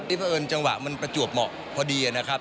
เพราะเอิญจังหวะมันประจวบเหมาะพอดีนะครับ